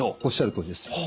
おっしゃるとおりです。